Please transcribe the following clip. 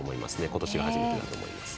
今年が初めてだと思います。